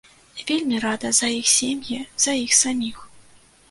Вельмі рада за іх сем'і, за іх саміх.